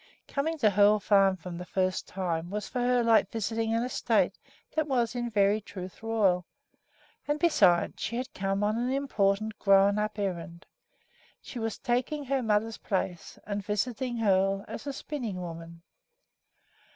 Coming to Hoel Farm for the first time was for her like visiting an estate that was, in very truth, royal; and besides, she had come on an important "grown up" errand. She was taking her mother's place and visiting Hoel as a spinning woman.